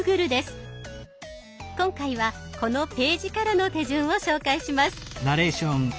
今回はこのページからの手順を紹介します。